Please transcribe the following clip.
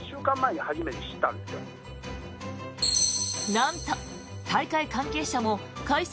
なんと大会関係者も開催